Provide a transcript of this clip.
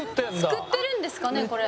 作ってるんですかねこれ。